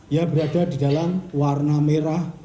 ya berada di dalam warna merah